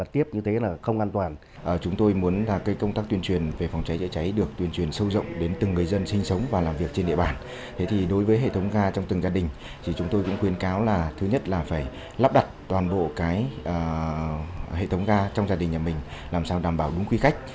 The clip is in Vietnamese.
thế thì đối với hệ thống ga trong từng gia đình thì chúng tôi cũng khuyên cáo là thứ nhất là phải lắp đặt toàn bộ cái hệ thống ga trong gia đình nhà mình làm sao đảm bảo đúng quy cách